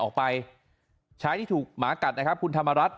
มีภาพจากกล้อมรอบหมาของเพื่อนบ้าน